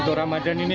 untuk ramadan ini ya